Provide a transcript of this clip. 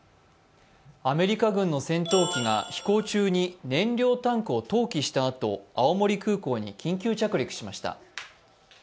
アメリカ軍の戦闘機が飛行中に燃料タンクを投棄したあと、青森空港に緊急着陸しました。